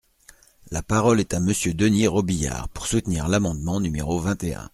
La parole est à Monsieur Denys Robiliard, pour soutenir l’amendement numéro vingt et un.